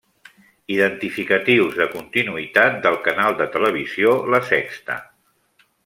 Identificatius de continuïtat del canal de televisió la Sexta.